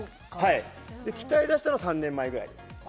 はい鍛えだしたのは３年前ぐらいですね